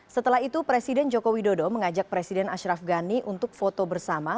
setelah itu presiden joko widodo mengajak presiden ashraf ghani untuk foto bersama